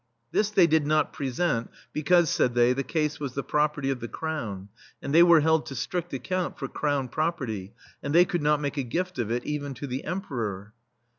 This they did not present, because, said they, the case was the property of the Crown, and they were held to strict account for Crown property, and they could not make a gift of it even to the Emperor.